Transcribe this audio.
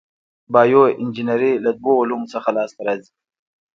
بایو انجنیری له دوو علومو څخه لاس ته راځي.